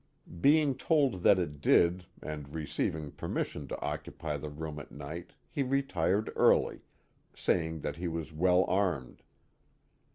Being told that it did and receiving permission to occupy the room at night he retired early, saying that he was well armed.